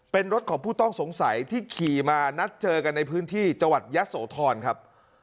เป็นรถของผู้ต้องสงสัยที่ขี่มานัดเจอกันในพื้นที่จังหวัดยะโสธรครับ